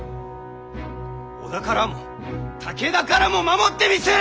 織田からも武田からも守ってみせる！